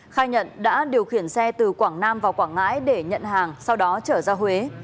khai nhận đã điều khiển xe từ quảng nam vào quảng ngãi để nhận hàng sau đó trở ra huế